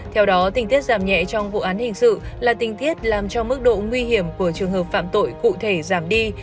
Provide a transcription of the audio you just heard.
theo đó tình tiết giảm nhẹ trong vụ án hình sự là tình tiết làm cho mức độ nguy hiểm của trường hợp phạm tội cụ thể giảm đi